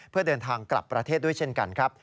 เพื่อเดินทางกลับประเทศด้วยเช่นกันครับ